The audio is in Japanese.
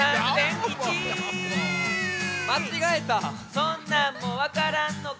そんなんもわからんのか！